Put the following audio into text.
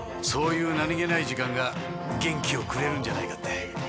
そういう何げない時間が元気をくれるんじゃないかって。